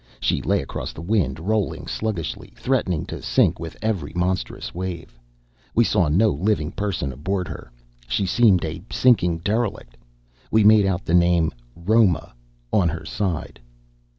She lay across the wind, rolling sluggishly, threatening to sink with every monstrous wave. We saw no living person aboard her; she seemed a sinking derelict. We made out the name Roma on her side.